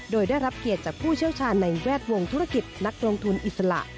โดยได้รับเกียรติจากผู้เชี่ยวชาญในแวดวงธุรกิจนักลงทุนอิสระ